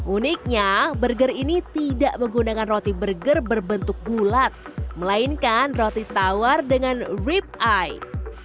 uniknya burger ini tidak menggunakan roti burger berbentuk bulat melainkan roti tawar dengan rip eye